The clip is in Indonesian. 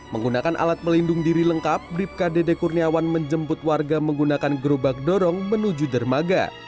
menggunakan alat pelindung diri lengkap bribka dede kurniawan menjemput warga menggunakan gerobak dorong menuju dermaga